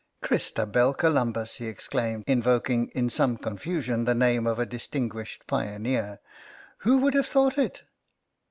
" Cristabel Columbus !" he exclaimed, in voking in some confusion the name of a distinguished pioneer; "who would have thought it